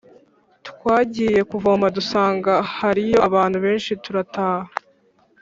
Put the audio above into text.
Twagiye kuvoma dusanga hariyo abantu benshi turataha